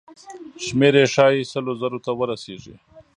شمېر یې ښایي سلو زرو ته ورسیږي.